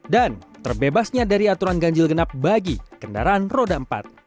dan terbebasnya dari aturan ganjil genap bagi kendaraan roda empat